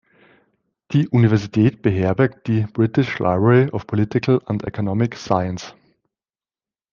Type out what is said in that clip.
Die Universität beherbergt die British Library of Political and Economic Science.